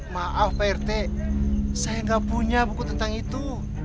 maaf pak rt saya nggak punya buku tentang itu